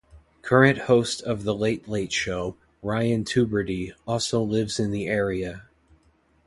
Current host of "The Late Late Show" Ryan Tubridy also lives in the area.